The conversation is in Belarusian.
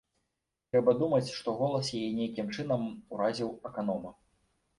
Трэба думаць, што голас яе нейкім чынам уразіў аканома.